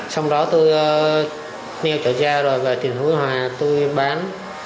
xong đó tôi nêu trợ gia rồi về tiền hối hòa tôi bán